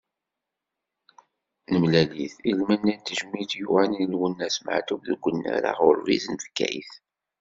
Nemlal-it i lmend n tejmilt i yuɣalen, i Lwennas Meɛtub, deg unnar aɣurbiz n Bgayet.